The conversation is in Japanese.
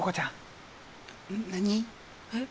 えっ？